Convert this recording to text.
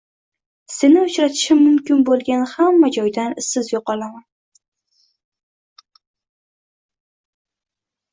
Seni uchratishim mumkin bo`lgan hamma joydan izsiz yo`qolaman